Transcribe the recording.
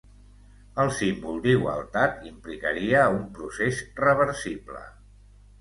El símbol d'igualtat implicaria un procés reversible.